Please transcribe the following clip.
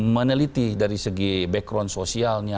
meneliti dari segi background sosialnya